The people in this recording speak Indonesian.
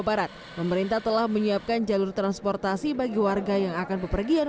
barat pemerintah telah menyiapkan jalur transportasi bagi warga yang akan berpergian